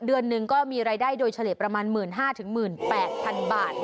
เดือนหนึ่งก็มีรายได้โดยเฉลี่ยประมาณ๑๕๐๐๑๘๐๐๐บาท